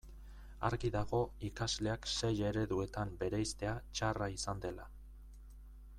Argi dago ikasleak sei ereduetan bereiztea txarra izan dela.